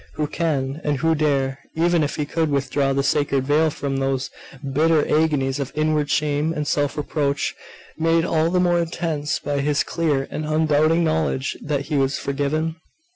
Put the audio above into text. Who can and who dare, even if he could withdraw the sacred veil from those bitter agonies of inward shame and self reproach, made all the more intense by his clear and undoubting knowledge that he was forgiven?